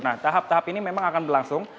nah tahap tahap ini memang akan berlangsung